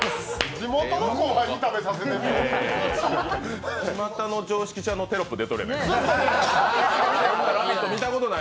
地元の後輩に食べさせてるみたい。